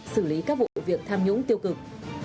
xử lý các vụ việc tham nhũng tiêu cực